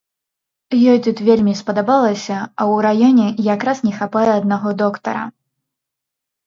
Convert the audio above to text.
Ёй тут вельмі спадабалася, а ў раёне якраз не хапае аднаго доктара.